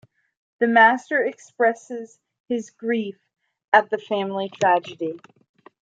The Master expresses his grief at the family tragedy.